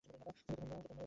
ময়ূর মারতে যাবো কেন আমি!